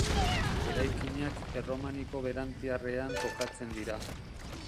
Eraikinak erromaniko berantiarrean kokatzen dira.